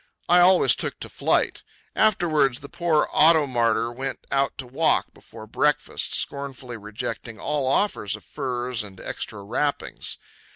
I always took to flight. Afterwards the poor auto martyr went out to walk before breakfast, scornfully rejecting all offers of furs and extra wrappings.